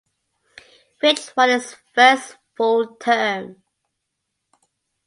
Fitch won his first full term.